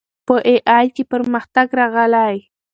په اې ای کې پرمختګ راغلی.